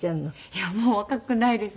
いやもう若くないです。